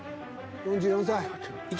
［４４歳］